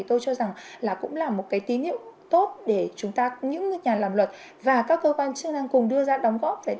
tí niệm tốt để chúng ta những nhà làm luật và các cơ quan chức năng cùng đưa ra đóng góp